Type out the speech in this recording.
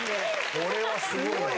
これはすごい。